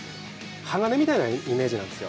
鋼みたいなイメージなんですよ。